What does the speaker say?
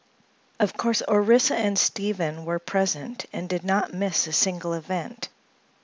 Of course, Orissa and Stephen were present and did not miss a single event.